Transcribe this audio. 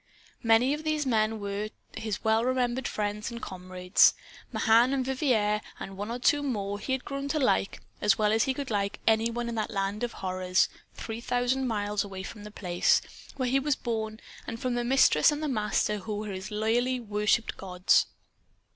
Many of these men were his well remembered friends and comrades. Mahan and Vivier, and one or two more, he had grown to like as well as he could like any one in that land of horrors, three thousand miles away from The Place, where he was born, and from the Mistress and the Master, who were his loyally worshiped gods.